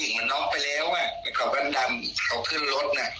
ตอนนั้นอ่ะที่เห็นแล้วน่ะกระตุกกระตุกแล้วผู้หญิงมันนอกไปแล้วอ่ะ